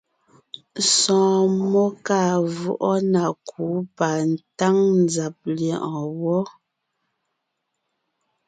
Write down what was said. Sɔ̀ɔn mmó kàa vwɔʼɔ na kǔ patáŋ nzàb lyɛ̌ʼɔɔn wɔ́.